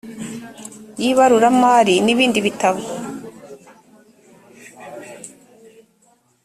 y ibaruramari n ibindi bitabo